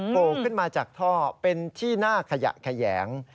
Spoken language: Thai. โผล่ขึ้นมาจากท่อเป็นที่หน้าขยะแขยง